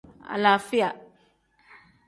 Alaafiya.